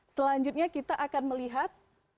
selanjutnya kita akan melihat